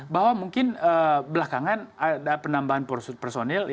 bahwa mungkin belakangan ada penambahan personil